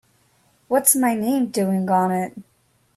What's my name doing on it?